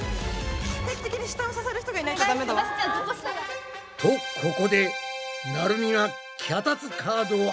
定期的に下を支える人がいないとダメだわ。とここでなるみが脚立カードをあげたぞ。